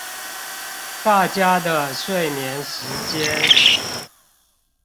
大家的睡眠時間